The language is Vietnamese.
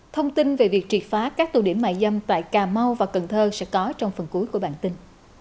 thông tin về việc triệt phá các tù điểm mại dâm tại cà mau và cần thơ sẽ có trong phần cuối của bản tin